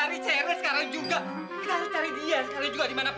begitu kalau malah ketawa tawa gimana sih